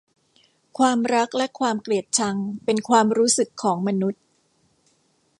ความรักและความเกลียดชังเป็นความรู้สึกของมนุษย์